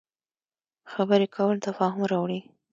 خبرې کول تفاهم راوړي